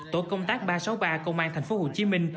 tổ công tác ba trăm sáu mươi ba công an thành phố hồ chí minh